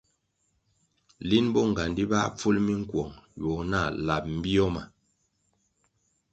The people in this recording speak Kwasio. Lin bonğandi báh pful minkuong ywogo nah lab bio ma.